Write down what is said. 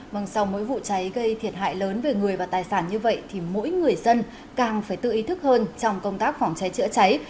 vâng sau mỗi vụ cháy gây thiệt hại lớn về người và tài sản như vậy thì mỗi người dân càng phải tự ý thức hơn trong công tác phòng cháy chữa cháy